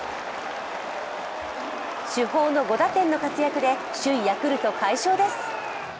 主砲の５打点の活躍で首位ヤクルト快勝です。